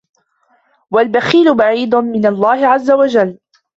وَالْبَخِيلُ بَعِيدٌ مِنْ اللَّهِ عَزَّ وَجَلَّ